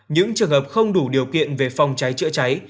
những trường hợp không đủ điều kiện về phòng cháy chữa cháy